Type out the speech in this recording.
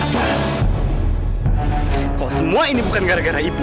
kok semua ini bukan gara gara ibu